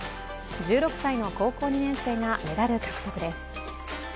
１６歳の高校２年生がメダル獲得です。